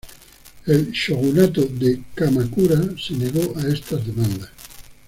El shogunato de Kamakura se negó a estas demandas.